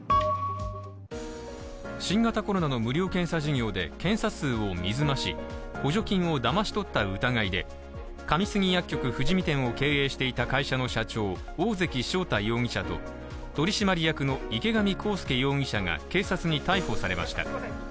新型コロナの無料検査事業で検査数を水増し、補助金をだまし取った疑いで上杉薬局富士見店を経営していた会社の社長、大関翔太容疑者と取締役の池上康祐容疑者が警察に逮捕されました。